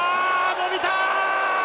伸びたー！